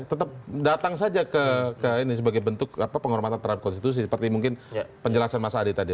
tetap datang saja ke ini sebagai bentuk penghormatan terhadap konstitusi seperti mungkin penjelasan mas adi tadi